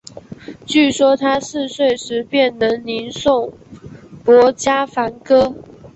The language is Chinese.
据说他四岁时便能吟诵薄伽梵歌。